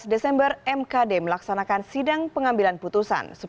dua belas desember mkd melaksanakan sidang pengambilan putusan